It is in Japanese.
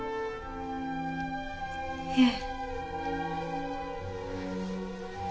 ええ。